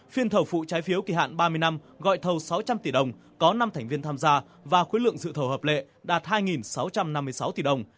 phiên thầu phụ trái phiếu kỳ hạn ba mươi năm gọi thầu sáu trăm linh tỷ đồng có năm thành viên tham gia và khối lượng dự thầu hợp lệ đạt hai sáu trăm năm mươi sáu tỷ đồng